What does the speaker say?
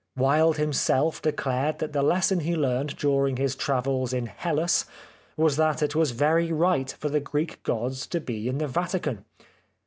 Wilde himself de clared that the lesson he learned during his travels in Hellas was that it was very right for the Greek gods to be in the Vatican.